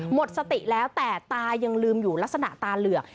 หมดสติแล้วแต่ตายังลืมอยู่ลักษณะตาเหลือก